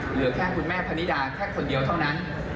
เหลือแค่คุณแม่พนิดาแค่คนเดียวเท่านั้น